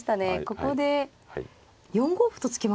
ここで４五歩と突きました。